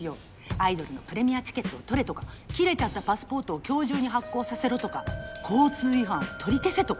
アイドルのプレミアチケットを取れとか切れちゃったパスポートを今日中に発行させろとか交通違反を取り消せとか。